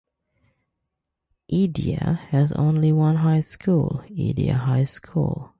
Edina has only one high school, Edina High School.